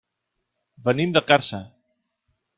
Venim de Càrcer.